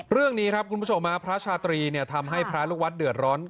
เรื่องนี้ครับคุณผู้ชมพระชาตรีทำให้พระลูกวัดเดือดร้อน